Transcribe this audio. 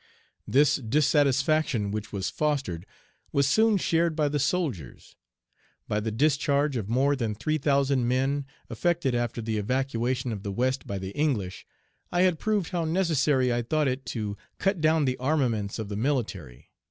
This dissatisfaction, which was fostered, was soon shared by the soldiers. By the discharge of more than three thousand men, effected after the evacuation of the West by the English, I had proved how necessary I thought it to cut down the armaments of the military.